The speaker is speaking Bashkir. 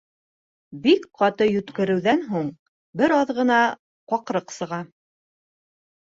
Бик ҡаты йүткереүҙән һуң, бер аҙ ғына ҡаҡырыҡ сыға.